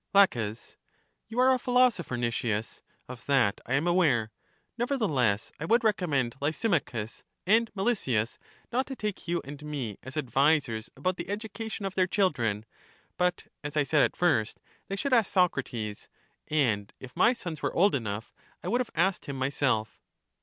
La, You are a philosopher, Nicias; of that I am aware: nevertheless I would recommend Lysimachus and Melesias not to take you and me as advisers about the education of their children; but, as I said at first, they should ask Socrates; and if my sons were old enough, I would have asked him myself.